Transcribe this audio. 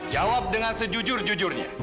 jawab dengan sejujur jujurnya